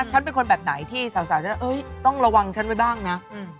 ฉันเป็นคนแบบไหนที่สาวจะต้องระวังฉันไว้บ้างนะ